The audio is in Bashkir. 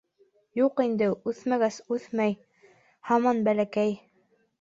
Юҡ инде, үҫмәгәс-үҫмәй, һаман бәләкәй.